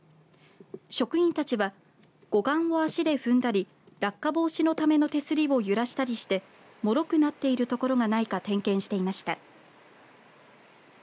職員たちは護岸を足で踏んだり落下防止のための手すりを揺らしたりしてもろくなっている所がないか点検していました。